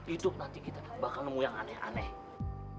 hidup nanti kita bakal nemu yang aneh aneh